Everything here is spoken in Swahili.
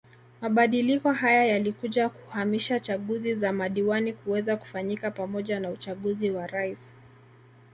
Mabadiliko haya yalikuja kuhamisha chaguzi za madiwani kuweza kufanyika pamoja na uchaguzi wa Rais